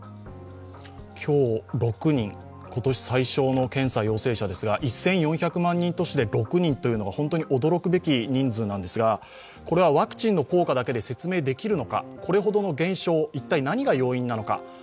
今日、６人今年最少の検査陽性者ですが１４００万人都市で６人というのは本当に驚くべき人数ですが、これはワクチンの効果だけで説明できるのか、これほどの減少、一体、何が要因なのか。